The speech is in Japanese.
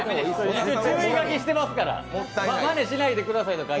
注意書きしてありますからまねしないでくださいとか！